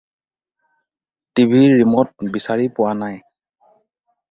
টিভিৰ ৰিম'ট বিচাৰি পোৱা নাই।